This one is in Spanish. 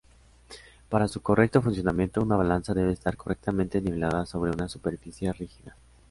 Para su correcto funcionamiento, una balanza debe estar correctamente nivelada sobre una superficie rígida.